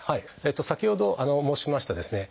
先ほど申しましたですね